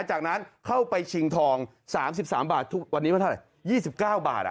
จากนั้นเข้าไปชิงทอง๓๓บาททุกวันนี้มันเท่าไหร่๒๙บาท